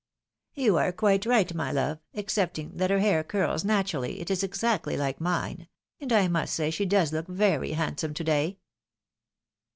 " You are quite right, my love, excepting that her hair curb naturally, it is exactly like mine — and I must say she does look very handsome to day."